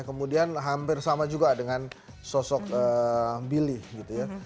kemudian hampir sama juga dengan sosok billy gitu ya